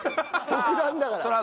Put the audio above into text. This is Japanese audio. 即断だから。